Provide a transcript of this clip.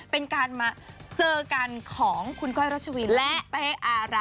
เป็นการมาเจอกันของคุณก้อยรัชวินและเป้อาระ